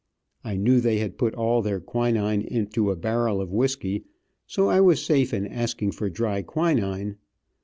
I knew they had put all their quinine into a barrel of whisky, so I was safe in asking for dry quinine.